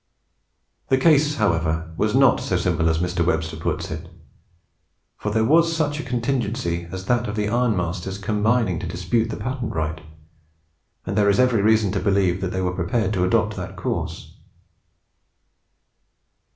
The case, however, was not so simple as Mr. Webster puts it; for there was such a contingency as that of the ironmasters combining to dispute the patent right, and there is every reason to believe that they were prepared to adopt that course.